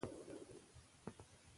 ولې ځواب يې را نه کړ